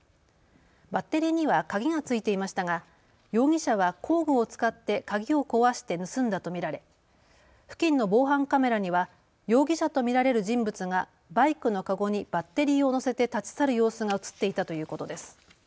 バッテリーには鍵がついていましたが容疑者は工具を使って鍵を壊して盗んだと見られ付近の防犯カメラには容疑者と見られる人物がバイクのかごにバッテリーを乗せて立ち去る様子が写っていたということです。